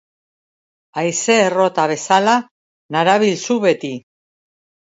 Haize errota bezala narabilzu beti.